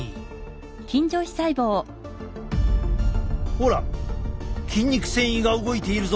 ほら筋肉線維が動いているぞ！